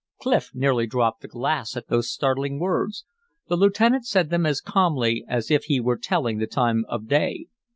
Clif nearly dropped the glass at those startling words. The lieutenant said them as calmly as if he were telling the time of day.